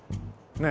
ねえ。